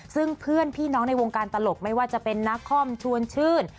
ซึ่งเพื่อนพี่น้องในวงการตลกไม่ว่าจะเป็นนักคอมชวนชื่น